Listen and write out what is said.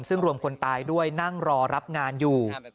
ซึ่งรวมคนตายด้วยนั่งรอรับงานอยู่